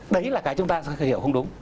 đấy là cái chúng ta sẽ hiểu không đúng